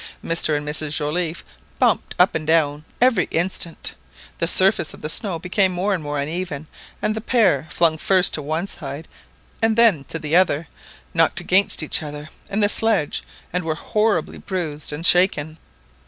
Mr and Mrs Joliffe bumped up and down every instant, the surface of the snow became more and more uneven, and the pair, flung first to one side and then to the other, knocked against each other and the sledge, and were horribly bruised and shaken.